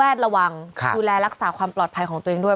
ระวังดูแลรักษาความปลอดภัยของตัวเองด้วย